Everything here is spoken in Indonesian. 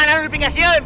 mana lu di pinggir sion